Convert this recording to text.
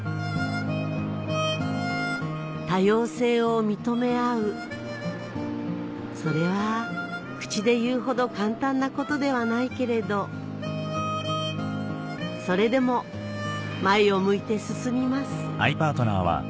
多様性を認め合うそれは口で言うほど簡単なことではないけれどそれでも前を向いて進みます